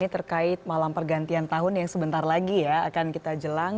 terkait malam pergantian tahun yang sebentar lagi ya akan kita jelang